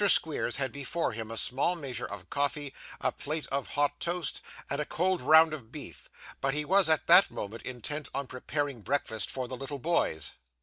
Squeers had before him a small measure of coffee, a plate of hot toast, and a cold round of beef; but he was at that moment intent on preparing breakfast for the little boys.